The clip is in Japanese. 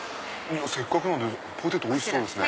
せっかくなんでポテトおいしそうですね。